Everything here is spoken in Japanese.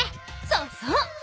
そうそう。